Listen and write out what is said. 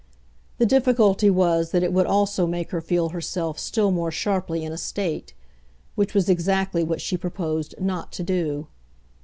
The difficulty was that it would also make her feel herself still more sharply in a state; which was exactly what she proposed not to do.